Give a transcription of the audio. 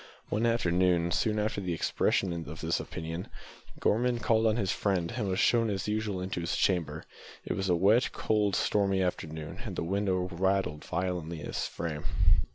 One afternoon, soon after the expression of this opinion, Gorman called on his friend, and was shown as usual into his chamber. It was a wet, cold, stormy afternoon, and the window rattled violently in its frame.